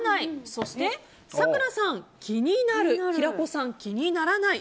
そして咲楽さん、気になる平子さん、気にならない。